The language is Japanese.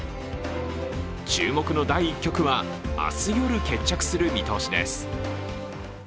注目の第１局は明日夜、決着する見通しです。